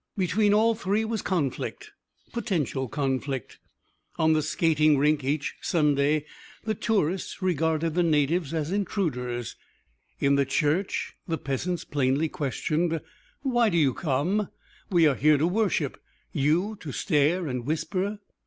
Between all three was conflict potential conflict. On the skating rink each Sunday the tourists regarded the natives as intruders; in the church the peasants plainly questioned: "Why do you come? We are here to worship; you to stare and whisper!"